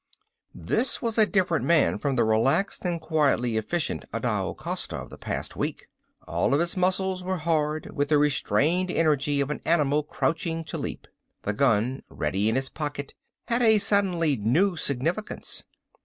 This was a different man from the relaxed and quietly efficient Adao Costa of the past week. All of his muscles were hard with the restrained energy of an animal crouching to leap. The gun, ready in his pocket, had a suddenly new significance.